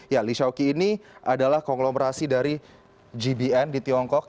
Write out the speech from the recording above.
ya lishaoki ini adalah konglomerasi dari gbn di tiongkok